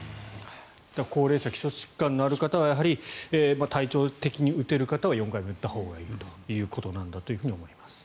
高齢者基礎疾患のある方はやはり体調的に打てる方は４回目を打ったほうがいいということなんだと思います。